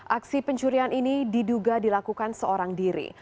aksi pencurian ini diduga dilakukan seorang diri